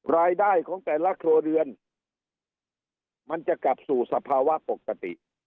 รายได้ของแต่ละครัวเรือนมันจะกลับสู่สภาวะปกติ